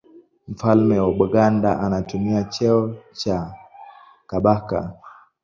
Mfalme wa Buganda anatumia cheo cha Kabaka.